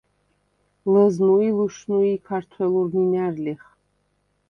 ლჷზნუ ი ლუშნუი̄ ქართველურ ნჷნა̈რ ლიხ.